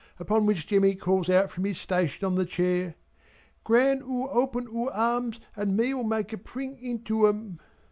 Upon which Jemmy calls out from his station on the chair, "Gran oo open oor arms and me'll make a 'pring into 'em."